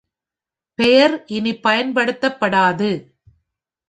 பெயர் இனி பயன்படுத்தப்படாது.